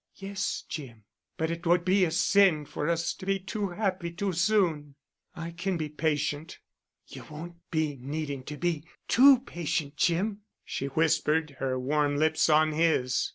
"Yes, Jim. But it would be a sin for us to be too happy too soon." "I can be patient——" "You won't be needing to be too patient, Jim," she whispered, her warm lips on his.